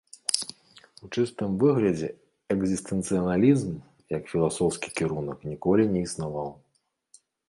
У чыстым выглядзе экзістэнцыялізм як філасофскі кірунак ніколі не існаваў.